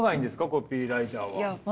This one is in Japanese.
コピーライターは。